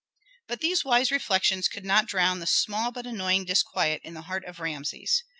But these wise reflections could not drown the small but annoying disquiet in the heart of Rameses.